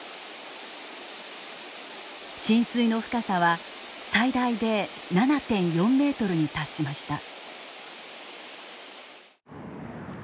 浸水の深さは最大で７．４ｍに達しました。